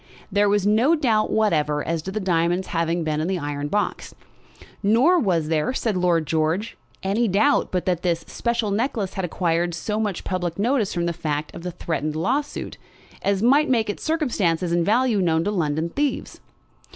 There was no doubt whatever as to the diamonds having been in the iron box; nor was there, said Lord George, any doubt but that this special necklace had acquired so much public notice from the fact of the threatened lawsuit, as might make its circumstances and value known to London thieves.